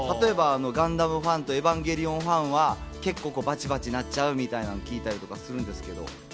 ガンダムファンとエヴァンゲリオンファンはバチバチなっちゃうみたいなの聞いたことあるんですけど。